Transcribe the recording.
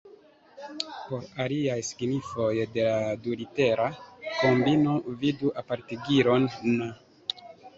Por aliaj signifoj de la dulitera kombino vidu apartigilon Na".